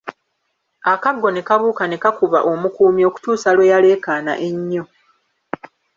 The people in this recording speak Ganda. Akaggo ne kabuuka ne kakuba omukuumi okutuusa lwe yaleekaana ennyo.